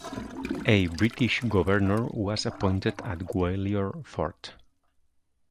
A British governor was appointed at Gwalior Fort.